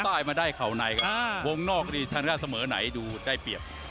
ลงใต้มาได้เข้าในครับวงนอกนี่ท่านฆ่าเสมอไหนดูได้เปรียบ